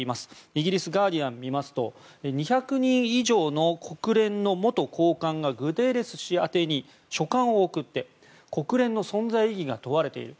イギリスのガーディアンを見ますと５０人以上の国連の元高官がグテーレス氏宛てに書簡を送って国連の存在意義が問われている。